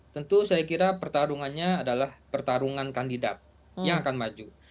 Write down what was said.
tentu saya kira pertarungannya adalah pertarungan kandidat yang akan maju